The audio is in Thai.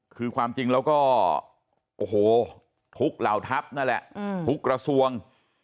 คือความจริงแล้วก็โอ้โหทุกเหล่าทัพนั่นแหละทุกกระทรวง